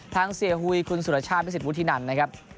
เสียหุยคุณสุรชาติพิสิทธวุฒินันนะครับ